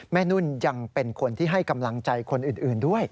นุ่นยังเป็นคนที่ให้กำลังใจคนอื่นด้วย